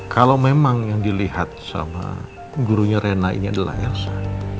kalau memang yang dilihat sama gurunya rena ini adalah hersa